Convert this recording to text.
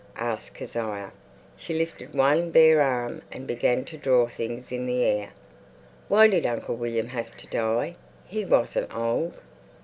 asked Kezia. She lifted one bare arm and began to draw things in the air. "Why did Uncle William have to die? He wasn't old."